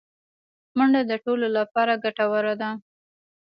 منډه د ټولو لپاره ګټوره ده